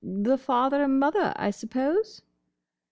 "The father and mother, I suppose?"